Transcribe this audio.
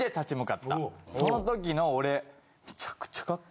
その時の俺。